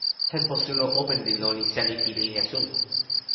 tenpo suno open li lon e seli pi linja suno.